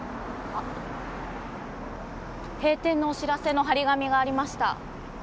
閉店のお知らせの貼り紙がありました。